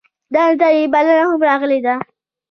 دندې ته یې بلنه هم راغلې ده.